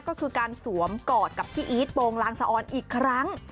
ก็คือการสวมกอดกับพี่อีทโปรงลางสะออนอีกครั้ง